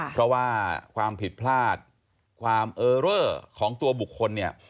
เพราะว่าความผิดพลาดความเออเรอของตัวบุคคลเนี่ย